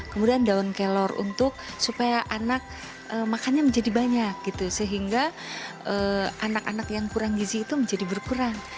kemudian daun kelor untuk supaya anak makannya menjadi banyak gitu sehingga anak anak yang kurang gizi itu menjadi berkurang